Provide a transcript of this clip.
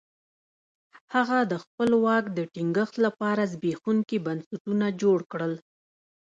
هغه د خپل واک د ټینګښت لپاره زبېښونکي بنسټونه جوړ کړل.